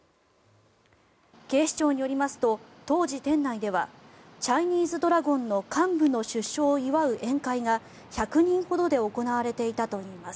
警視庁によりますと当時、店内ではチャイニーズドラゴンの幹部の出所を祝う宴会が１００人ほどで行われていたといいます。